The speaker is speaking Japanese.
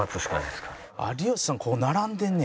有吉さん